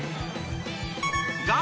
画面